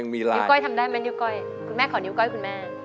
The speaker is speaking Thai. นิ้วก้อยทำได้ไหมนิ้วก้อยคุณแม่ขอนิ้ก้อยคุณแม่